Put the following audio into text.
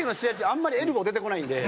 あんまりエルボー出てこないんで。